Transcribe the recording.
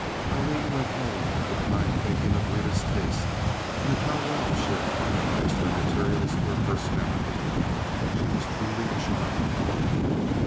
Aileen went home at the time thinking of Rita's taste and of how well she had harmonized her materials to her personality. She was truly charming.